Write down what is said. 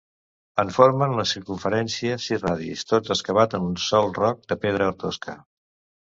En formen la circumferència sis radis, tot excavat en un sol roc de pedra tosca.